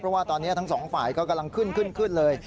เพราะว่าตอนนี้ทั้งสองฝ่ายก็กำลังขึ้นขึ้นเลย